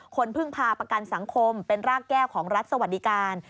พึ่งพาประกันสังคมเป็นรากแก้วของรัฐสวัสดิการ